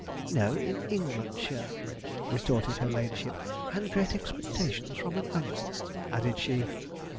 'No, in Englandshire,' retorted her ladyship: 'and great expectations from an uncle,' added she.